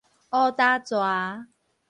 烏焦蛇